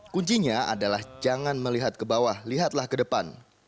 kuncinya adalah jangan melihat ke bawah lihatlah ke depan